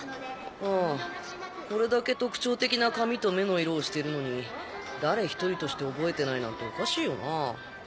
あぁこれだけ特徴的な髪と目の色をしているのに誰一人として覚えてないなんておかしいよな。